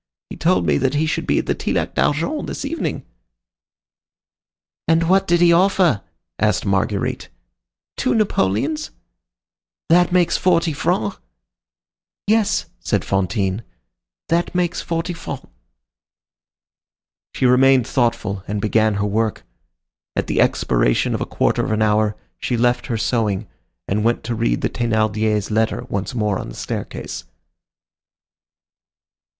He told me that he should be at the Tillac d'Argent this evening." "And what did he offer?" asked Marguerite. "Two napoleons." "That makes forty francs." "Yes," said Fantine; "that makes forty francs." She remained thoughtful, and began her work. At the expiration of a quarter of an hour she left her sewing and went to read the Thénardiers' letter once more on the staircase.